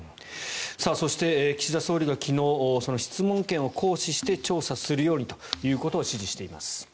そして岸田総理が昨日、その質問権を行使して調査するようにということを指示しています。